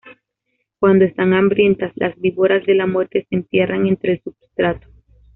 Cuando están hambrientas, las víboras de la muerte se entierran entre el substrato.